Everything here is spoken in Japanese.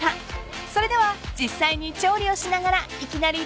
［それでは実際に調理をしながら］